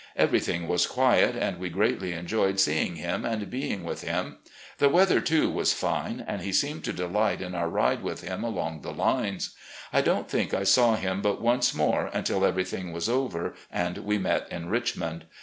Everything was quiet, and we greatly enjoyed seeing him and being with him. The weather, too, was fine, and he seemed to delight in our ride with him along the lines. I don't think I saw him but once more until everything was over and we met in Richmond.